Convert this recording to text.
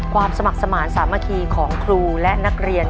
สมัครสมาธิสามัคคีของครูและนักเรียน